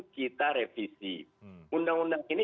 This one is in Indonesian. kita revisi undang undang ini